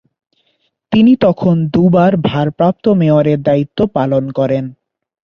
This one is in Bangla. তিনি তখন দু’বার ভারপ্রাপ্ত মেয়রের দায়িত্ব পালন করেন।